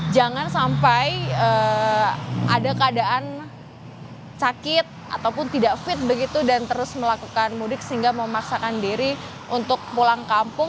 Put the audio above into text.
jangan sampai ada keadaan sakit ataupun tidak fit begitu dan terus melakukan mudik sehingga memaksakan diri untuk pulang kampung